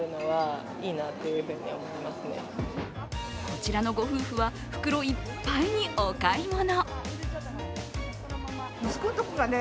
こちらのご夫婦は、袋いっぱいにお買い物。